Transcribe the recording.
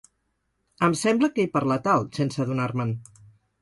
Em sembla que he parlat alt, sense adonar-me'n.